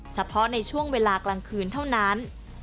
เฉพาะในช่วงเวลากลางคืนเท่านั้น